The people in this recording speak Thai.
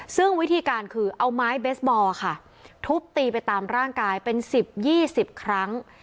ซึ่งวิธีการคือเอาไม้เบสบอลค่ะทุบตีไปตามร่างกายเป็น๑๐๒๐ครั้ง